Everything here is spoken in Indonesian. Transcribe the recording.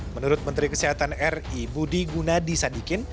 menurut menteri kesehatan ri budi gunadi sadikin